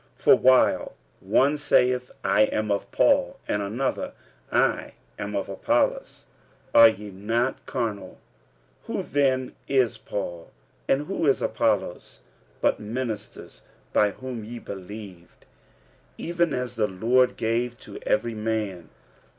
46:003:004 For while one saith, I am of Paul; and another, I am of Apollos; are ye not carnal? 46:003:005 Who then is Paul, and who is Apollos, but ministers by whom ye believed, even as the Lord gave to every man?